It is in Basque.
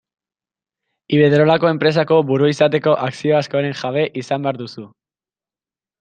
Iberdrolako enpresako buru izateko akzio askoren jabe izan behar duzu.